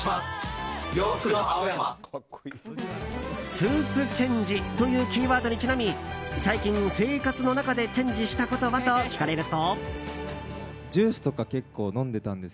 スーツチェンジというキーワードにちなみ最近、生活の中でチェンジしたことは？と聞かれると。